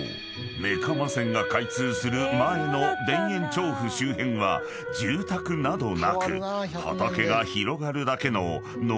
目蒲線が開通する前の田園調布周辺は住宅などなく畑が広がるだけの］